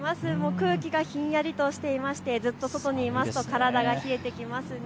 空気がひんやりとしていましてずっと外にいますと体が冷えてきますね。